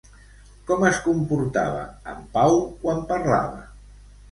Com es comportava, en Pau, quan parlava?